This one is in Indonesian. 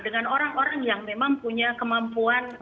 dengan orang orang yang memang punya kemampuan